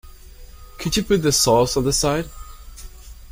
Could you put the sauce on the side?